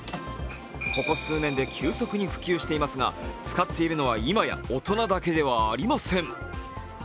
ここ数年で急速に普及していますが使っているのはいまや大人だけではありません。